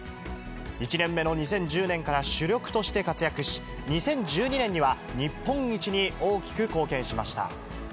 １年目の２０１０年から主力として活躍し、２０１２年には日本一に大きく貢献しました。